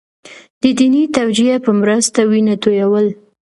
د دیني توجیه په مرسته وینه تویول.